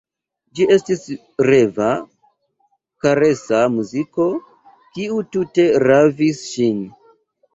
Ĝi estis reva, karesa muziko, kiu tute ravis ŝin.